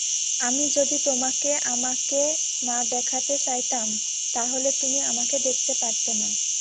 আমি যদি তোমাকে আমাকে না দেখাতে চাইতাম তাহলে তুমি আমাকে দেখতে পারতে না।